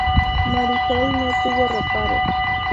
Marisol no tuvo reparos.